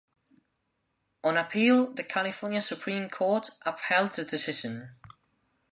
On appeal, the California Supreme Court upheld the decision.